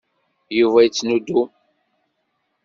Yuba yettnudum.